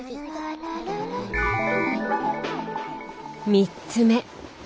３つ目。